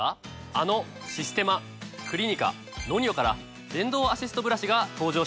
あのシステマクリニカＮＯＮＩＯから電動アシストブラシが登場したんです。